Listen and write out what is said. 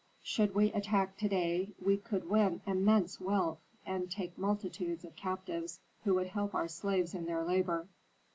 Should we attack to day, we could win immense wealth, and take multitudes of captives who would help our slaves in their labor.